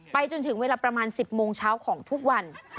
จนถึงเวลาประมาณ๑๐โมงเช้าของทุกวัน